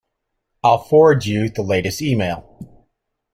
I'll forward you the latest email.